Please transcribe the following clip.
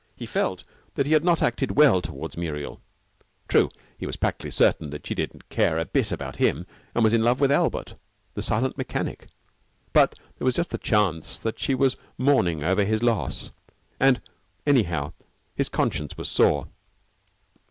He felt that he had not acted well toward Muriel. True, he was practically certain that she didn't care a bit about him and was in love with Albert, the silent mechanic, but there was just the chance that she was mourning over his loss; and, anyhow, his conscience was sore.